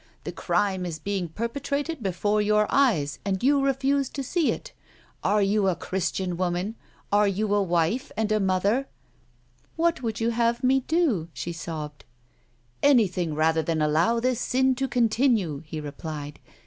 The crime is being perpetrated before your eyes, and you refuse to see it ! Are you a Christian woman I Are you a wife and a mother 1 "" What would you have me do 1 " she sobbed. " Anything, rather than allow this sin to continue," he replied.